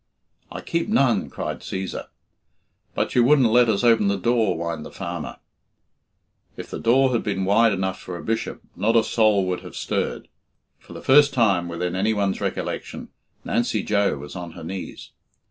"I keep none," cried Cæsar. "But you wouldn't let us open the door," whined the farmer. If the door had been wide enough for a Bishop, not a soul would have stirred. For the first time within anyone's recollection, Nancy Joe was on her knees.